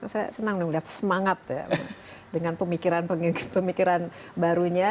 saya senang lihat semangat dengan pemikiran barunya